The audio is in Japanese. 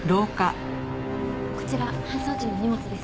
こちら搬送時の荷物です。